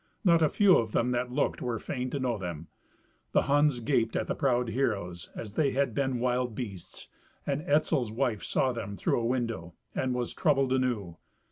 Not a few of them that looked were fain to know them. The Huns gaped at the proud heroes as they had been wild beasts, and Etzel's wife saw them through a window, and was troubled anew.